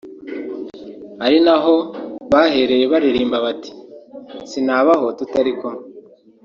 ari naho bahereye baririmba bati 'Sinabaho tutari kumwe'